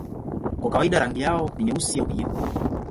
Kwa kawaida rangi yao ni nyeusi au kijivu.